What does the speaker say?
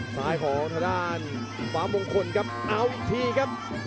ซ้ายของภาพมงคลครับเอาอีกทีครับ